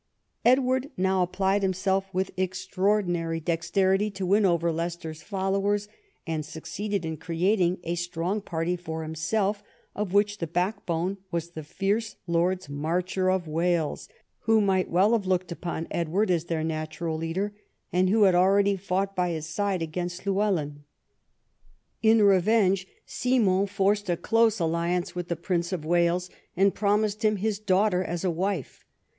Edward now applied himself Avith extraordinary II ■ EDWARD AND THE BARONS WARS 33 dexterity to win over Leicester's followers, and suc ceeded in creating a strong party for himself, of which the backbone was the fierce Lords Marcher of Wales, who might well have looked upon Edward as their natural leader, and who had already fought by his side against Llywelyn. In revenge Simon forced a close alliance with the Prince of Wales, and promised him his daughter as a wife.